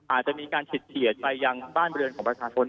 อาจจะมีการเฉียดไปยังบ้านเรือนของประชาชน